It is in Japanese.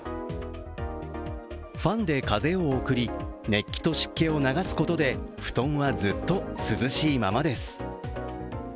ファンで風を送り、熱気と湿気を流すことで布団はずっと涼しいままです。